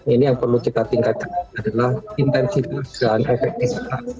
ini yang perlu kita tingkatkan adalah intensif dan efektif